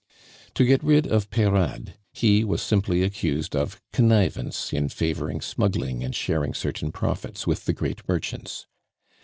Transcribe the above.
To get rid of Peyrade, he was simply accused of connivance in favoring smuggling and sharing certain profits with the great merchants.